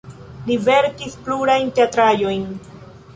Li verkis plurajn teatraĵojn.